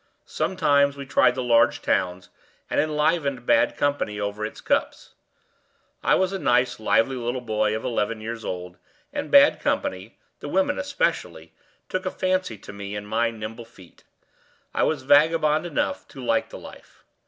Sometimes we tried the large towns, and enlivened bad company over its cups. I was a nice, lively little boy of eleven years old, and bad company, the women especially, took a fancy to me and my nimble feet. I was vagabond enough to like the life.